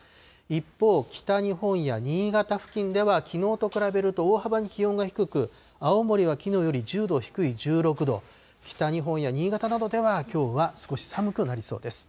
一方、北日本や新潟付近では、きのうと比べると大幅に気温が低く、青森はきのうより１０度低い１６度、北日本や新潟などではきょうは少し寒くなりそうです。